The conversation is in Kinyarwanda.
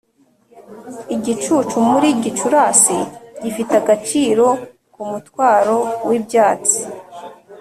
igicucu muri gicurasi gifite agaciro k'umutwaro w'ibyatsi;